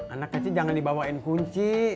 anak kecil jangan dibawain kunci